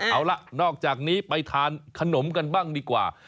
เอาล่ะนอกจากนี้ไปทานขนมกันบ้างดีกว่า